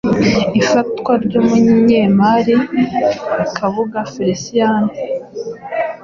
Ifatwa ry’umunyemari Kabuga Felicien